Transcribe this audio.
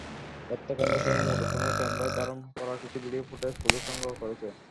হত্যাকাণ্ডের সময় মুঠোফোনের ক্যামেরায় ধারণ করা কিছু ভিডিও ফুটেজ পুলিশ সংগ্রহ করেছে।